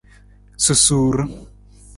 Susuur.